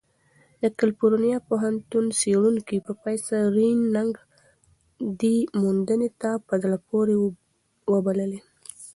د کلیفورنیا پوهنتون څېړونکی پروفیسر رین نګ دې موندنې ته "په زړه پورې" وبللې.